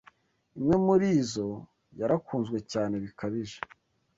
imwe muri zo yarakunzwe cyane bikabije